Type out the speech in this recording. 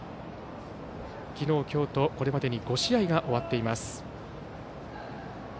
昨日、今日とこれまでに５試合が終わっています。